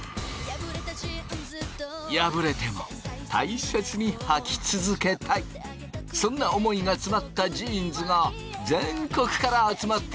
破れても大切にはき続けたいそんな思いが詰まったジーンズが全国から集まってくる。